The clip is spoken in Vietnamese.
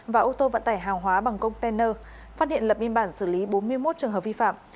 và ô tô vận tải hàng hóa bằng container phát hiện lập biên bản xử lý bốn mươi một trường hợp vi phạm